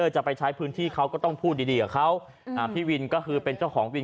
จะไปใช้พื้นที่เขาก็ต้องพูดดีดีกับเขาอ่าพี่วินก็คือเป็นเจ้าของวิน